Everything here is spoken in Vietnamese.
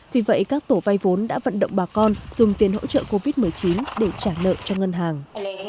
vì vậy các tổ vay vốn đã vận động bà con dùng tiền hỗ trợ covid một mươi chín để trả nợ cho ngân hàng